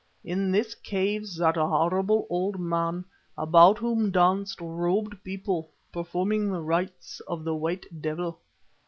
In this cave sat a horrible old man about whom danced robed people, performing the rites of the White Devil.